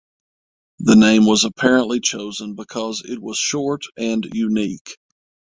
The name was apparently chosen because it was short and unique.